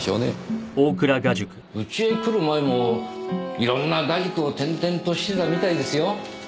うちへ来る前もいろんな画塾を転々としてたみたいですよ。